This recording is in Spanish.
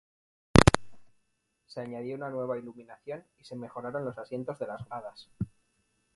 Se añadió una nueva iluminación, y se mejoraron los asientos de las gradas.